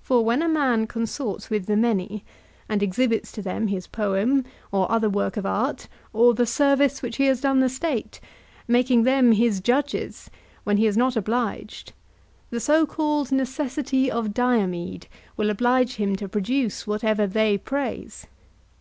For when a man consorts with the many, and exhibits to them his poem or other work of art or the service which he has done the State, making them his judges when he is not obliged, the so called necessity of Diomede will oblige him to produce whatever they praise.